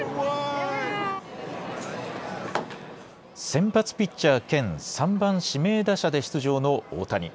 先発ピッチャー兼３番指名打者で出場の大谷。